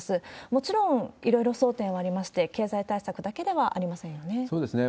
もちろん、いろいろ争点はありまして、経済対策だけではありませんよね。